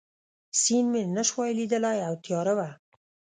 سیند مې نه شوای لیدای او تیاره وه.